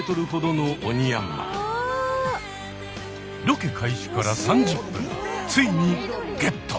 ロケ開始から３０分ついにゲット！